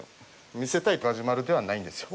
見せたいガジュマルではないんですよ。